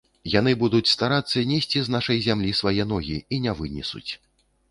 Яны будуць старацца несці з нашай зямлі свае ногі і не вынесуць.